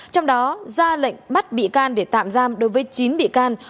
trong đó ra lệnh bắt bị can để tạm giam đối với chín bị can